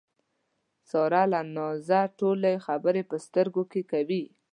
ساره له نازه ټولې خبرې په سترګو کې کوي.